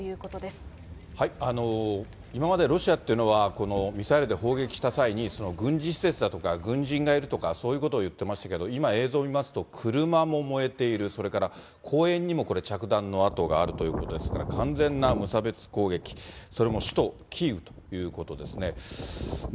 今までロシアっていうのは、ミサイルで砲撃した際に、軍事施設だとか、軍人がいるとかそういうことを言ってましたけれども、今映像を見ますと、車も燃えている、それから公園にもこれ、着弾の跡があるということですから、完全な無差別攻撃、それも首都キーウということですね。